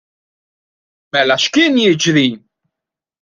Mela x'kien jiġri?